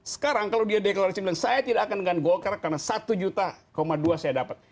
sekarang kalau dia deklarasi bilang saya tidak akan dengan golkar karena satu juta dua saya dapat